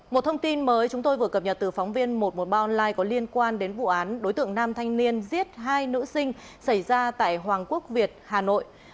một thông tin mới chúng tôi vừa cập nhật từ phóng viên một trăm một mươi ba online có liên quan đến vụ án đối tượng nam thanh niên giết hai nữ sinh xảy ra tại hoàng quốc việt hà nội